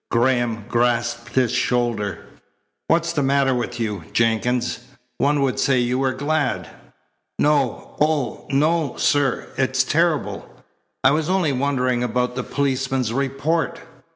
Graham grasped his shoulder. "What's the matter with you, Jenkins? One would say you were glad." "No. Oh, no, sir. It is terrible. I was only wondering about the policeman's report."